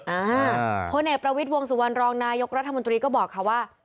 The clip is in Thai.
อ่าคนในประวิดวงสุวรรณรองค์นายกรัฐมนตรีก็บอกเขาว่า